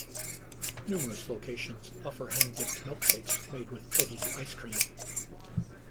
Numerous locations offer hand dipped milkshakes made with Edy's Ice Cream.